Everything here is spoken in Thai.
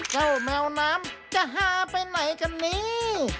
เจ้าแมวน้ำจะห้าไปไหนกันนี้